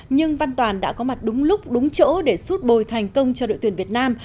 nhưng văn toàn đã có mặt đúng lúc đúng chỗ để suốt bồi thành công cho đội tuyển việt nam